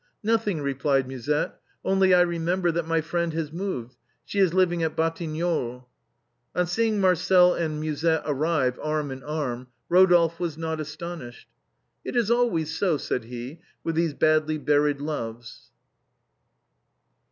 " Nothing," replied Musette, " only I remember that my friend has moved ; she is living at Batignolles." 194 THE BOHEMIANS OP THE LATIN QUARTER. On seeing Marcel and Musette arrive arm in arm Ro dolphe was not astonished. "It is always so/' said he, "with these badly buried loves."